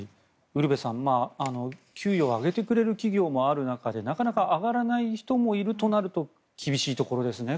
ウルヴェさん給与は上げてくれる企業もある中でなかなか上がらない人もいるとなると厳しいところですね。